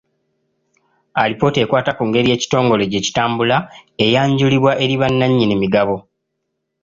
Alipoota ekwata ku ngeri ekitongole gye kitambulamu eyanjulibwa eri bannannyini migabo.